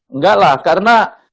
enggak lah karena